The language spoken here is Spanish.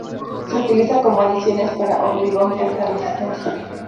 Se utiliza como adiciones para hormigón de alta resistencia.